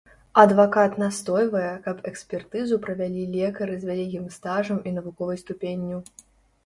Адвакат настойвае, каб экспертызу правялі лекары з вялікім стажам і навуковай ступенню.